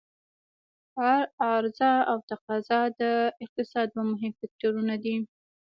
عرضا او تقاضا د اقتصاد دوه مهم فکتورونه دي.